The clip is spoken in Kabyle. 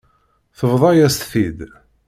Tebḍa-yas-t-id.